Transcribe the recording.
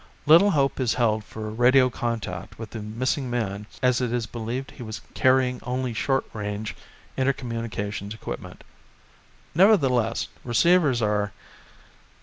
Little hope is held for radio contact with the missing man as it is believed he was carrying only short range, intercommunications equipment. Nevertheless, receivers are